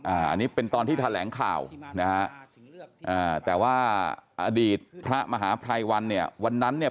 อันนี้เป็นตอนที่แถลงข่าวนะฮะอ่าแต่ว่าอดีตพระมหาภัยวันเนี่ยวันนั้นเนี่ย